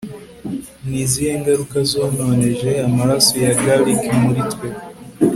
Ni izihe ngaruka zononeje amaraso ya Gallic muri twe